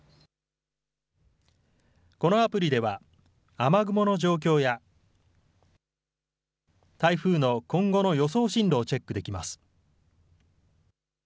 このアプリでは雨雲の状況や台風の今後の予想進路をチェックできます。